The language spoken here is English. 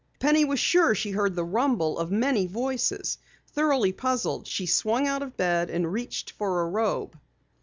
Penny was sure she heard the rumble of many voices. Thoroughly puzzled, she swung out of bed and reached for a robe.